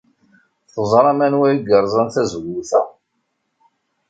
Teẓram anwa ay yerẓan tazewwut-a?